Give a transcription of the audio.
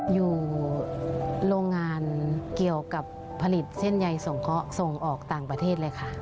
อยู่โรงงานเกี่ยวกับผลิตเส้นใยส่งเคราะห์ส่งออกต่างประเทศเลยค่ะ